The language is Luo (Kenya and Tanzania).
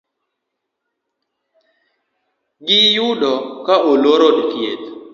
Gi yudo ka olor od thieth